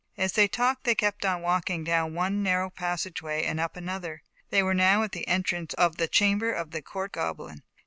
"As they talked they kept on walking down one narrow passage way and up another. They were now at the entrance of the Chamber of the Court Goblin.